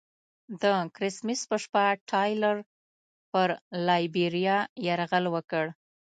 د کرسمس په شپه ټایلر پر لایبیریا یرغل وکړ.